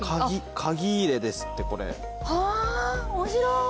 はぁ面白い。